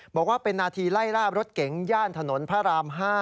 บอกว่าเป็นนาทีไล่ล่ารถเก๋งย่านถนนพระราม๕